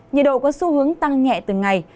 nhiệt độ có xu hướng tăng nhẹ từ ngày